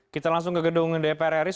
kita langsung ke gedung dpr ri